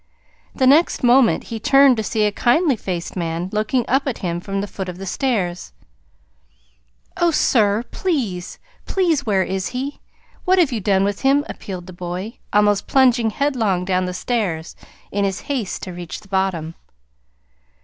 The next moment he turned to see a kindly faced man looking up at him from the foot of the stairs. "Oh, sir, please please, where is he? What have you done with him?" appealed the boy, almost plunging headlong down the stairs in his haste to reach the bottom.